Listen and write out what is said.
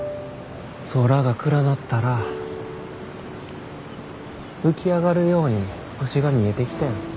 空が暗なったら浮き上がるように星が見えてきてん。